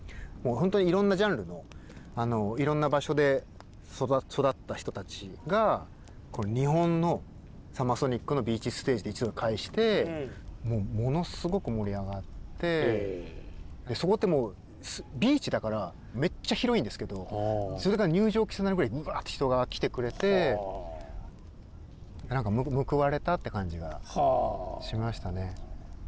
いろんなジャンルのいろんな場所で育った人たちが日本のＳＵＭＭＥＲＳＯＮＩＣのＢＥＡＣＨＳＴＡＧＥで一堂に会してものすごく盛り上がってそこってビーチだからめっちゃ広いんですけどそれが入場規制になるぐらいウワーッと人が来てくれて報われたって感じがしましたね。